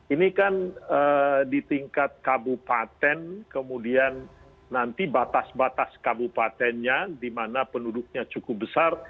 ini kan di tingkat kabupaten kemudian nanti batas batas kabupatennya di mana penduduknya cukup besar